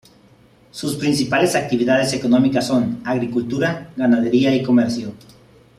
Sus principales actividades económicas son: agricultura, ganadería y comercio.